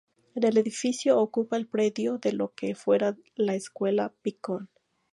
El edificio ocupa el predio de lo que fuera la "Escuela Picón".